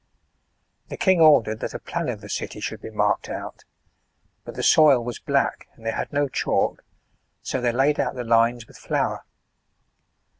The king ordered, that a plan of the city should be marked out ; but the soil was black and they had no chalk, so they laid out the lines with flour.